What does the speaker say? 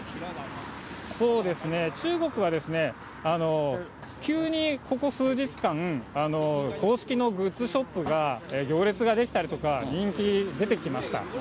そうですね、中国は急にここ数日間、公式のグッズショップが行列が出来たりとか、人気出てきました。